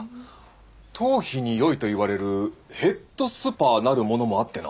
頭皮によいといわれる「へっどすぱ」なるものもあってな。